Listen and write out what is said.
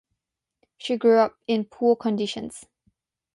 She grew up in poor conditions.